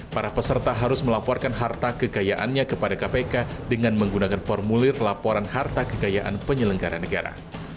para peserta harus melaporkan harta kekayaannya kepada kpk dengan menggunakan formulir laporan harta kekayaan penyelenggara negara